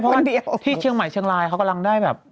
เพราะว่าที่เชียงใหม่เชียงรายเขากำลังได้แบบ